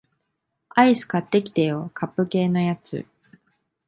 アイス買ってきてよ、カップ系のやつ